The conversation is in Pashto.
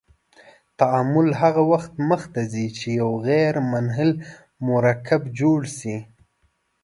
تعامل هغه وخت مخ ته ځي چې یو غیر منحل مرکب جوړ شي.